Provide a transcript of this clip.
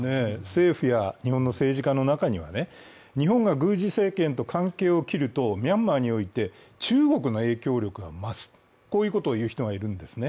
政府や日本の政治家の中には日本が軍事政権と関係を切ると、ミャンマーにおいて中国の影響力が増す、こういうことを言う人がいるんですね。